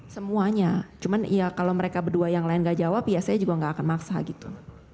semuanya cuman ya kalau mereka berdua yang lain gak jawab ya saya juga nggak akan maksa gitu